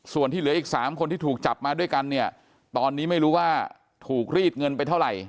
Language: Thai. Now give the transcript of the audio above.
ส่วนที่เหลืออีก๓คนที่ถูกจับมาด้วยกันเนี่ยตอนนี้ไม่รู้ว่าถูกรีดเงินไปเท่าไหร่